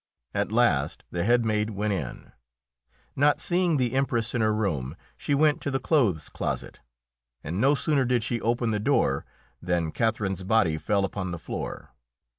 At last the head maid went in. Not seeing the Empress in her room, she went to the clothes closet, and no sooner did she open the door than Catherine's body fell upon the floor.